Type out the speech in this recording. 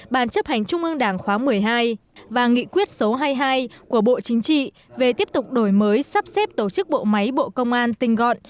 bàn chấp hành trung ương đảng khóa một mươi hai và nghị quyết số hai mươi hai của bộ chính trị về tiếp tục đổi mới sắp xếp tổ chức bộ máy bộ công an tình gọn